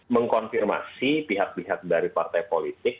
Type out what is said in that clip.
mengkonfirmasi pihak pihak dari partai politik